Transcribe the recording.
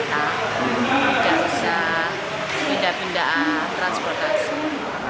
tidak usah pindah pindah transportasi